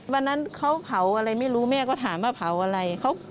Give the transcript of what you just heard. วันนั้นเขาเผาอะไรไม่รู้แม่ก็ถามว่าเผาอะไร